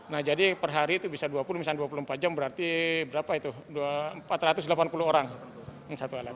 nah jadi per hari itu bisa dua puluh misalnya dua puluh empat jam berarti berapa itu empat ratus delapan puluh orang yang satu lm